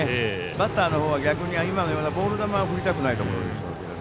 バッターの方は逆に今のようなボール球は振りたくないでしょうけど。